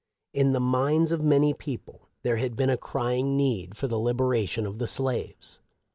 In the minds of many people there had been a crying need for the liberation of the slaves.